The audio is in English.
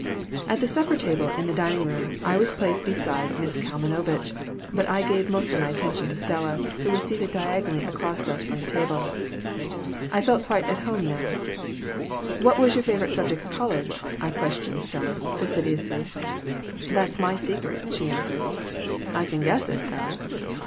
At the supper table, in the dining room, I was placed beside Miss Kalmanovitch, but I gave most of my attention to Stella, who was seated diagonally across the table from us. I felt quite at home now "What was your favorite subject at college?" I questioned Stella, facetiously. "That's my secret," she answered. "I can guess it, though."